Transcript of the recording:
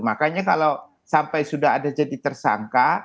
makanya kalau sampai sudah ada jadi tersangka